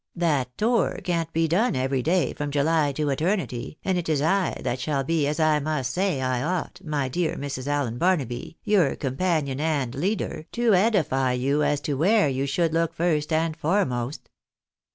That tour can't be done every day, from July to eternity ; and it is / that shall be, as I must say I ought, my dear Mrs. Allen Barnaby, your companion and leader, to edify you as to where you should look first and foremost."